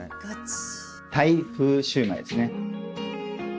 タイ風シュウマイですね。